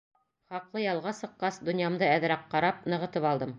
— Хаҡлы ялға сыҡҡас, донъямды әҙерәк ҡарап, нығытып алдым.